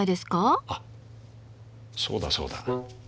あっそうだそうだ。